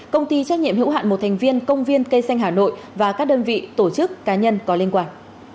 công ty trách nhiệm hữu hạn một thành viên công viên cây xanh hà nội và các đơn vị tổ chức cá nhân có liên quan